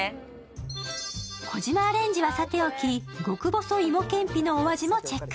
児嶋アレンジはさておき極上芋けんぴのお味もチェック。